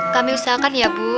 kami usahakan ya bu